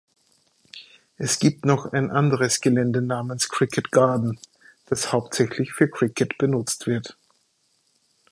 Es gibt noch ein anderes Gelände namens Cricket Garden, das hauptsächlich für Cricket genutzt wird.